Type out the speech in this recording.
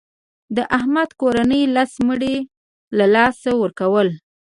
د احمد کورنۍ لس مړي له لاسه ورکړل.